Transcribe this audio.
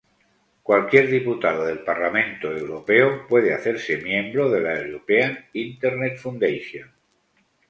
Cualquier Diputado del Parlamento Europeo puede hacerse miembro de la European Internet Foundation.